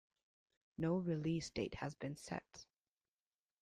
No release date has been set.